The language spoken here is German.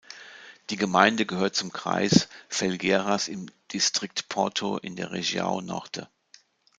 Die Gemeinde gehört zum Kreis Felgueiras im Distrikt Porto in der Região Norte.